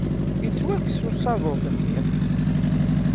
Yettwakkes usaḍuf-nni.